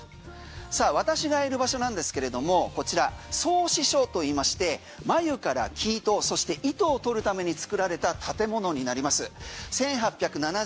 私がいる場所なんですけれどもこちら操糸所といいましてまゆから生糸そして糸を取るために作られた建物になります。